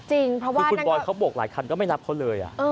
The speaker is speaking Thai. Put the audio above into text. คือคุณบอยเขาบวกหลายคันก็ไม่รับเขาเลย